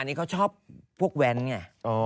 อันนี้เขาชอบพวกแว้นไง